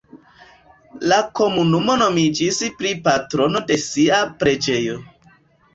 La komunumo nomiĝis pri patrono de sia preĝejo.